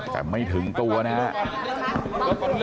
แต่ไม่ถึงตัวนะฮะ